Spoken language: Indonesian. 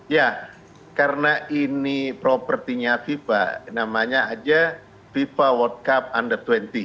ya karena ini propertinya fifa namanya aja fifa world cup under dua puluh